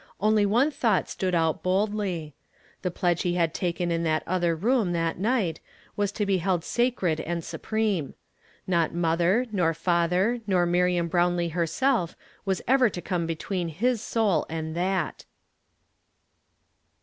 Only one thought stood out boldl}'. The pledge he had taken in that otlier room that night was to be held sacred and snpreme. Not mother, nor father, nor Miriam Brownlee herself was ever to come between his soul and that. ^. sii_: I WILL DECLARE THY NAME.